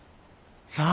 さあ。